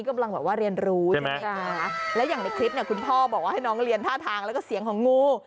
ค่ะแล้วอย่างในคลิปเนี่ยคุณพ่อบอกว่าให้น้องเรียนท่าทางแล้วก็เสียงของงู